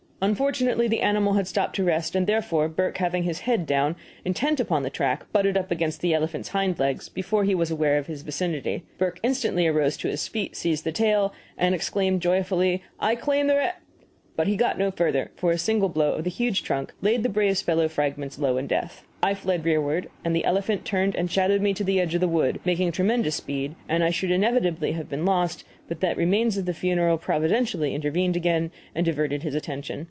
Unfortunately the animal had stopped to rest; therefore, Burke having his head down, intent upon the track, butted up against the elephant's hind legs before he was aware of his vicinity. Burke instantly arose to his feet, seized the tail, and exclaimed joyfully, "I claim the re " but got no further, for a single blow of the huge trunk laid the brave fellow's fragments low in death. I fled rearward, and the elephant turned and shadowed me to the edge of the wood, making tremendous speed, and I should inevitably have been lost, but that the remains of the funeral providentially intervened again and diverted his attention.